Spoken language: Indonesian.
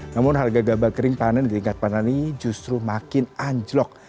namun harga gabah kering panen di tingkat panani justru makin anjlok